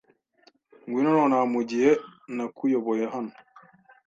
Ngwino nonaha Mugihe nakuyoboye hano